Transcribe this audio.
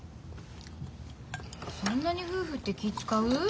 そんなに夫婦って気ぃ遣う？